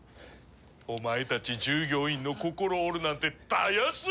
お前たち従業員の心を折るなんてたやすいことだ！